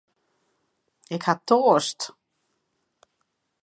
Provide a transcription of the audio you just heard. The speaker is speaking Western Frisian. Ik ha toarst.